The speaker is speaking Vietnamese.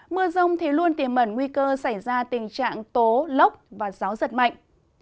mưa rông thì luôn tiềm mẩn nguy cơ xảy ra tình trạng tố lốc và gió giật mạnh